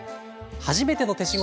「はじめての手仕事」。